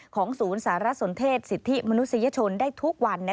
ของศูนย์สารสนเทศสิทธิมนุษยชนได้ทุกวัน